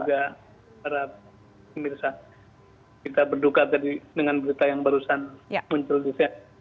juga para pemirsa kita berduka tadi dengan berita yang barusan muncul di sehat